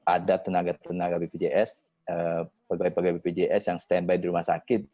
ada tenaga tenaga bpjs pegawai pegawai bpjs yang standby di rumah sakit